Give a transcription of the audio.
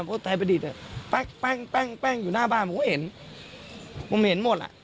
ไฟพระดิษฐ์แป๊งอยู่หน้าบ้านผมเห็นผมเห็นหมดละ